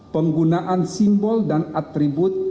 penggunaan simbol dan atribut